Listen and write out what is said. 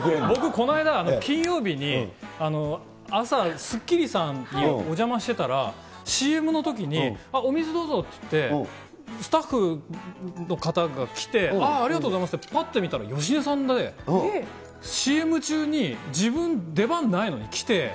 僕、この間、金曜日に、朝、スッキリさんにお邪魔してたら、ＣＭのときに、お水どうぞっていって、スタッフの方が来て、ああ、ありがとうございますって、ぱって見たら、芳根さんで、ＣＭ中に自分、出番ないのに来て、